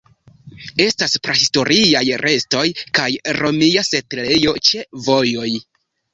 Estas prahistoriaj restoj kaj romia setlejo ĉe vojoj.